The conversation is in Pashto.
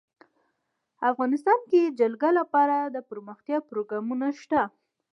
افغانستان کې د جلګه لپاره دپرمختیا پروګرامونه شته.